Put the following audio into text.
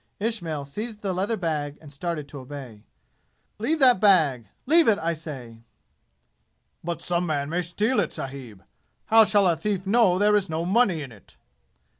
Ismail seized the leather bag and started to obey. "Leave that bag. Leave it, I say!" "But some man may steal it, sahib. How shall a thief know there is no money in it?"